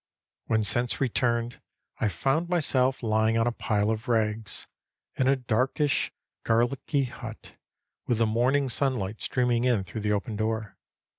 When sense returned, I found myself lying on a pile of rags, in a darkish, garlicky hut, with the morning sunlight streaming in through the open door.